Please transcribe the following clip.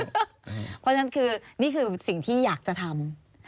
เพราะฉะนั้นคือนี่คือสิ่งที่อยากจะทำ